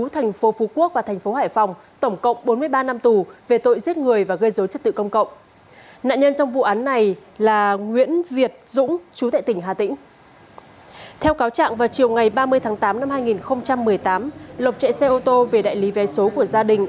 theo cáo trạng vào chiều ngày ba mươi tháng tám năm hai nghìn một mươi tám lộc chạy xe ô tô về đại lý vé số của gia đình